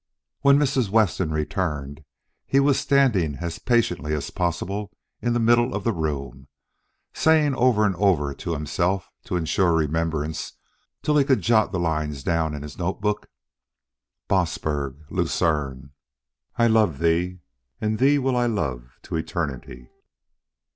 When Mrs. Weston returned, he was standing as patiently as possible in the middle of the room, saying over and over to himself to insure remembrance till he could jot the lines down in his notebook: _Bossberg, Lucerne.... I love but thee and thee will I love to eternity.